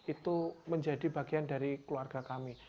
itu menjadi bagian dari keluarga kami